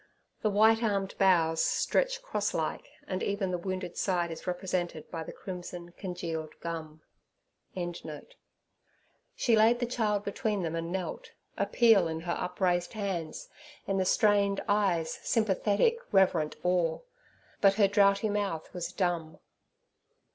The white—armed boughs stretch cross like, and even the wounded side is represented by the crimson congealed gum.] She laid the child between them and knelt: appeal in her upraised hands: in the strained eyes sympathetic, reverent awe; but her droughty mouth was dumb.